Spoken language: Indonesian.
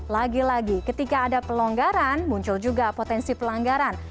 lagi lagi ketika ada pelonggaran muncul juga potensi pelanggaran